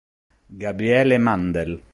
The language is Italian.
Gabriele Mandel.